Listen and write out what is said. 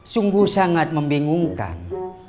sungguh sangat membingungkan